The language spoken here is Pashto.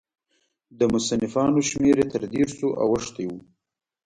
د مصنفاتو شمېر یې تر دېرشو اوښتی و.